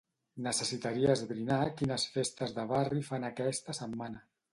Necessitaria esbrinar quines festes de barri fan aquesta setmana.